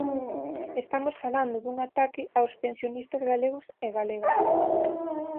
Estamos falando dun ataque aos pensionistas galegos e galegas.